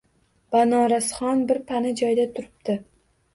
Banorasxon bir pana joyda turibdi.